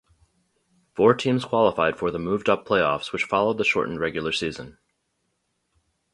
Four teams qualified for the moved-up playoffs which followed the shortened regular season.